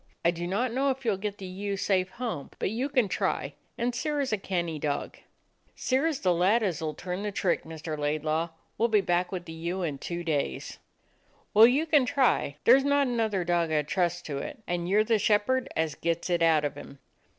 I do not know if you 'll get the ewe safe home, but you can try, and Sirrah's a canny dog." "Sirrah 's the lad as 'll turn the trick, Mr. Laidlaw. We 'll be back with the ewe in two days." "Well, you can try. There 's not another dog I 'd trust to it, and you 're the shepherd as gets it out of him."